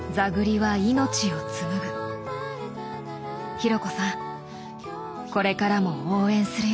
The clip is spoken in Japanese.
紘子さんこれからも応援するよ。